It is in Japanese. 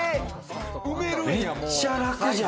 めっちゃ楽じゃん。